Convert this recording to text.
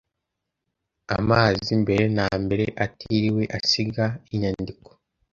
amazi mbere na mbere atiriwe asiga inyandiko